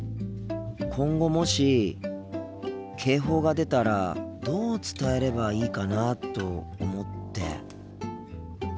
今後もし警報が出たらどう伝えればいいかなと思って。